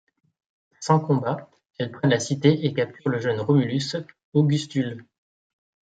Sans combat, elles prennent la cité et capturent le jeune Romulus Augustule.